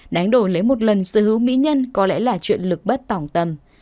đáng đổi lấy một lần sở hữu mỹ nhân có lẽ là chuyện lực bất tỏng tâm